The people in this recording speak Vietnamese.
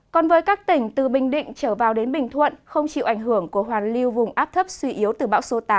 còn với các tỉnh từ bình định trở vào đến bình thuận không chịu ảnh hưởng của hoàn lưu vùng áp thấp suy yếu từ bão số tám